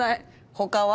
他は？